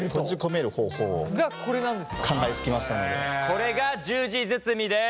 これが十字包みです。